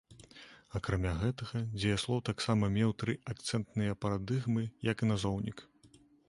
Акрамя гэтага, дзеяслоў таксама меў тры акцэнтныя парадыгмы, як і назоўнік.